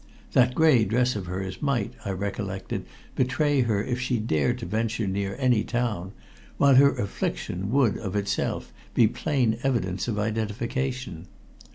That gray dress of hers might, I recollected, betray her if she dared to venture near any town, while her affliction would, of itself, be plain evidence of identification.